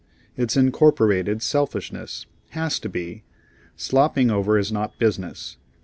It's incorporated selfishness; has to be. Slopping over is not business.